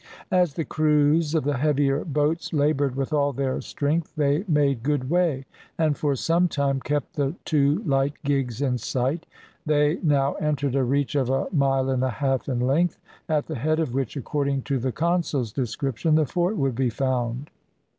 As the crews of the heavier boats laboured with all their strength they made good way, and for some time kept the two light gigs in sight. They now entered a reach of a mile and a half in length, at the head of which, according to the consul's description, the fort would be found.